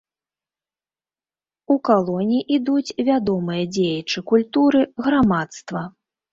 У калоне ідуць вядомыя дзеячы культуры, грамадства.